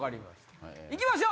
行きましょう！